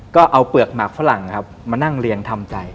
ก็เอาเปลือกหมักฝรั่งครับมานั่งเรียงทำใจ